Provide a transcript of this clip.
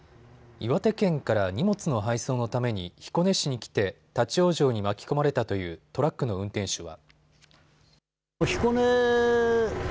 岩手県から荷物の配送のために彦根市に来て立往生に巻き込まれたというトラックの運転手は。